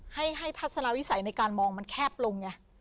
ให้ทัศนวิสัยในการมองมันแคบลงไง